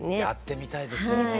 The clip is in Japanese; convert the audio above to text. やってみたいですよね。